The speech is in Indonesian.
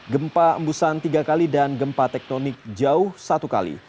gempa embusan tiga kali dan gempa tektonik jauh satu kali